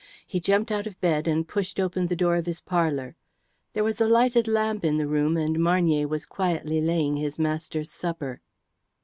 He jumped out of bed and pushed open the door of his parlour. There was a lighted lamp in the room, and Marnier was quietly laying his master's supper.